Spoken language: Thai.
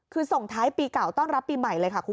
คือส่งท้ายปีเก่าต้อนรับปีใหม่เลยค่ะคุณ